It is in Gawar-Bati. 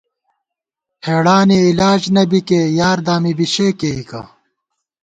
ہېڑانی علاج نہ بِکے یار دامی بی شےکېئیکہ